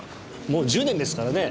もう１０年ですからね。